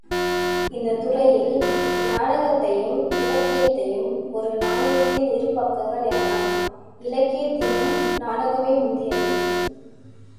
இந்தத் துறையில், நாடகத்தையும், இலக்கியத்தையும் ஒரு நாணயத்தின் இருபக்கங்கள் எனலாம். இலக்கியத்தினும் நாடகமே முந்தியது.